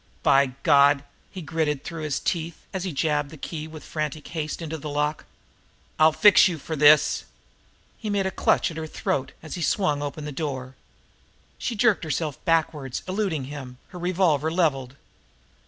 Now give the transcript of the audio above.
"By God!" he gritted through his teeth, as he jabbed the key with frantic haste into the lock. "I'll fix you for this!" He made a clutch at her throat, as he swung the door open. She jerked herself backward, eluding him, her revolver leveled.